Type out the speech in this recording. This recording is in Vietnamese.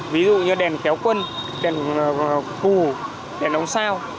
ví dụ như đèn kéo quân đèn cù đèn ông sao